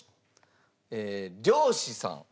漁師さん。